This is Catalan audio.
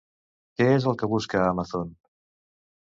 Què és el que busca Amazon?